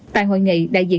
tại hội nghị đại diện